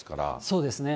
そうですね。